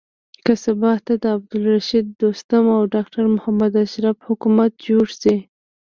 که سبا ته د عبدالرشيد دوستم او ډاکټر محمد اشرف حکومت جوړ شي.